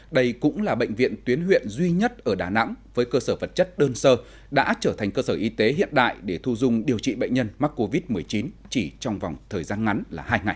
đây cũng là bệnh viện tuyến huyện duy nhất ở đà nẵng với cơ sở vật chất đơn sơ đã trở thành cơ sở y tế hiện đại để thu dung điều trị bệnh nhân mắc covid một mươi chín chỉ trong vòng thời gian ngắn là hai ngày